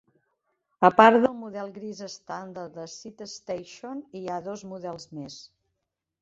A part del model gris estàndard de SidStation, hi ha dos models més.